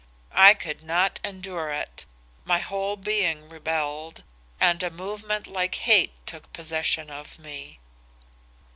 I could not endure it; my whole being rebelled, and a movement like hate took possession of me.